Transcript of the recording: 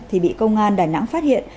thì bị công an đài nẵng phát hiện